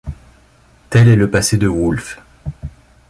Tel est le passé de Wulf.